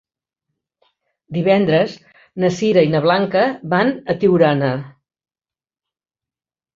Divendres na Sira i na Blanca van a Tiurana.